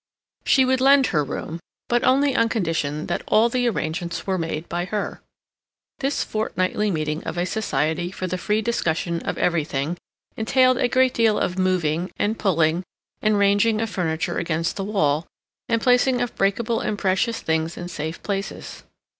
She would lend her room, but only on condition that all the arrangements were made by her. This fortnightly meeting of a society for the free discussion of everything entailed a great deal of moving, and pulling, and ranging of furniture against the wall, and placing of breakable and precious things in safe places.